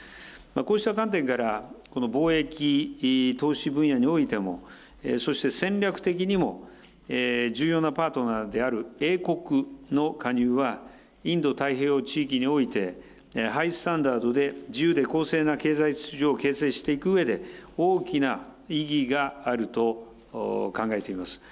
こうした観点から、この貿易投資分野においても、そして戦略的にも重要なパートナーである英国の加入は、インド太平洋地域において、ハイスタンダードで、自由で公正な経済秩序を形成していくうえで、大きな意義があると考えています。